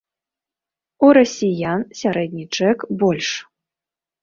У расіян сярэдні чэк больш.